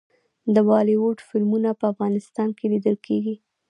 د بالیووډ فلمونه په افغانستان کې لیدل کیږي.